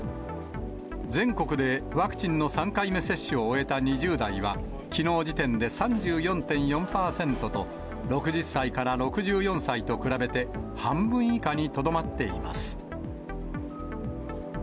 全国でワクチンの３回目接種を終えた２０代は、きのう時点で３４．４％と、６０歳から６４歳と比べて半分以下にとどまっています。